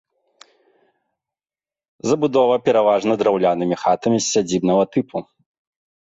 Забудова пераважна драўлянымі хатамі сядзібнага тыпу.